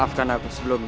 enggak anda harus menangis